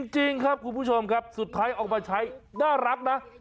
จริงครับคุณผู้ชมครับสุดท้ายออกมาใช้น่ารักนะ